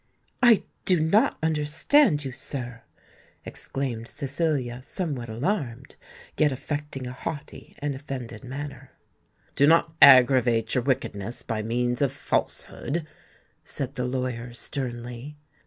"I do not understand you, sir," exclaimed Cecilia somewhat alarmed, yet affecting a haughty and offended manner. "Do not aggravate your wickedness by means of falsehood," said the lawyer sternly.